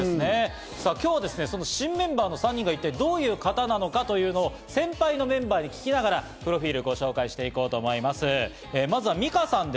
今日は新メンバーの３人が一体どういう方なのかを先輩のメンバーに聞きながら、プロフィールをご紹介していこうと思います。